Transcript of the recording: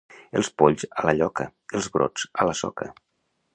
Els polls, a la lloca; els brots, a la soca.